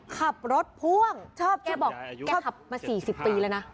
ขับรถพ่วงชอบแกบอกแกขับมา๔๐ปีแล้วนะ